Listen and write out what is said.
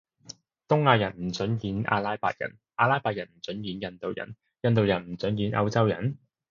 東亞人唔准演阿拉伯人，阿拉伯人唔准演印度人，印度人唔准演歐洲人？